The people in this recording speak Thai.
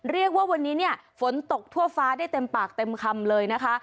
เรียกว่าวันนี้เนี่ยฝนตกทั่วฟ้าได้เต็มปากเต็มคำเลยนะคะ